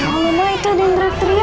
bebaskan anak saya